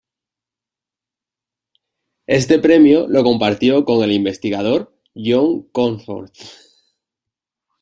Este premio lo compartió con el investigador John Cornforth.